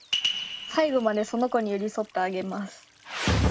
最後までその子に寄り添ってあげます。